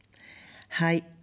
はい。